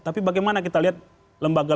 tapi bagaimana kita lihat lembaga